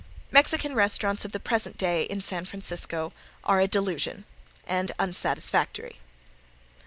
Mexican restaurants of the present day in San Francisco are a delusion, and unsatisfactory.